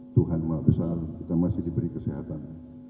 tuhan maha besar kita masih diberi kesehatan